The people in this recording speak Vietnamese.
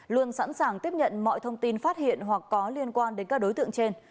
luôn sẵn sàng tiếp nhận mọi thông tin phát hiện hoặc có liên quan đến các đối tượng trên